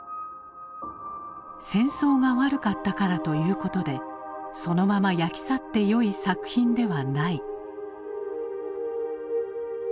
戦争がわるかったからということでそのまま焼き去ってよい作品ではない」。